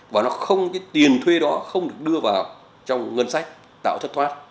và cái tiền thuê đó không được đưa vào trong ngân sách tạo thất thoát